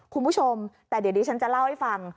คุณผู้ชมแต่เดี๋ยวดิฉันจะเล่าให้ฟัง